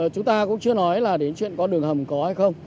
chúng ta cũng chưa nói là đến chuyện con đường hầm có hay không